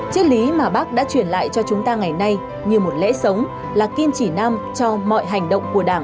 chân lý mà bác đã chuyển lại cho chúng ta ngày nay như một lễ sống là kiên trì nam cho mọi hành động của đảng